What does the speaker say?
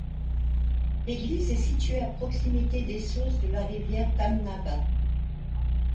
L'église est située à proximité des sources de la rivière Tamnava.